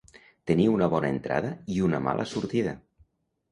Tenir una bona entrada i una mala sortida.